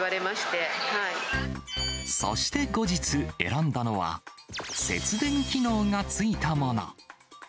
そして後日、選んだのは、節電機能が付いたもの。